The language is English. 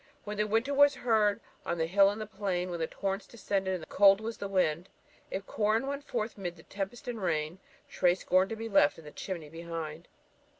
When winter was heard on the hill and the plain, When torrents descended, and cold was the wind; If Corin went forth 'mid the tempest and rain, Tray scorn'd to be left in the chimney behind.